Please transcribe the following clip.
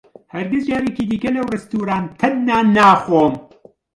ھەرگیز جارێکی دیکە لەو ڕێستورانتە نان ناخۆم.